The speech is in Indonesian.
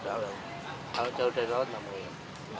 kalau jauh dari laut nggak mau ya